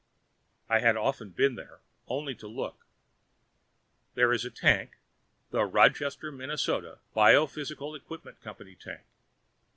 I had often been there, only to look. There is the tank the Rochester, Minnesota, Biophysical Equipment Co. tank.